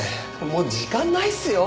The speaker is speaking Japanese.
もう時間ないっすよ。